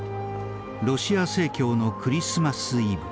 ロシア正教のクリスマスイブ。